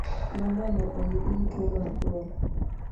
Mamano oyudgi tuo mar duol